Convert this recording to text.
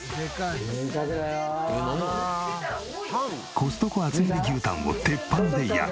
コストコ厚切り牛タンを鉄板で焼き。